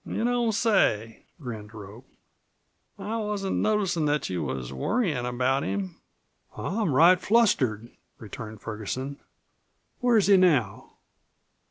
"Yu' don't say?" grinned Rope. "I wasn't noticin' that you was worryin' about him." "I'm right flustered," returned Ferguson. "Where's he now?"